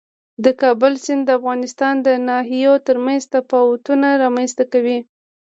د کابل سیند د افغانستان د ناحیو ترمنځ تفاوتونه رامنځ ته کوي.